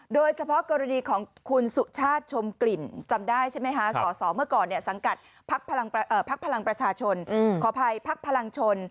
โดยเฉพาะกรณีของคุณสุชาติชมกลิ่นจำได้ใช่ไหมคะสอสอเมื่อก่อนเนี่ยสังกัดพักพลังประชาชนขออภัยพักพลังชน